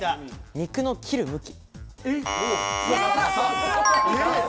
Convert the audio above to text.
肉の切る向き。